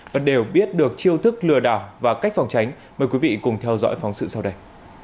và đều biết được chiêu thức lừa đảo và cách phòng tránh mời quý vị cùng theo dõi phóng sự sau đây